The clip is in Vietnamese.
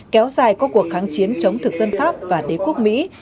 kéo dài qua cuộc kháng chiến chống thực dân pháp và đế quốc mỹ